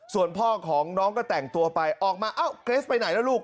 ส่วนพ่อของน้องก็แต่งตัวไปออกมาเอ้าเกรสไปไหนแล้วลูก